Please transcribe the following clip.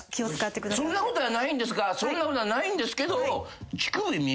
そんなことはないんですがそんなことはないんですけど。